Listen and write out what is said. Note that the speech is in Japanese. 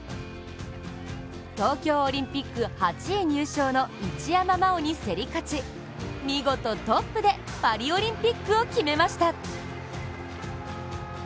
東京オリンピック８位入賞の一山麻緒に競り勝ち、見事トップでパリオリンピックを決めました。